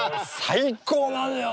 最高なのよ